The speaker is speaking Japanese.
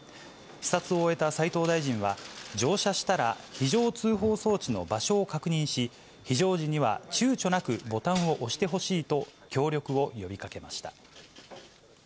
視察を終えた斉藤大臣は、乗車したら、非常通報装置の場所を確認し、非常時にはちゅうちょなくボタンを押してほしいと、協力を呼びかけました。